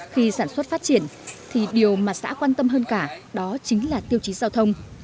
khi sản xuất phát triển thì điều mà xã quan tâm hơn cả đó chính là tiêu chí giao thông